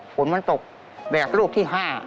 ฝนมันตกแบบลูกที่๕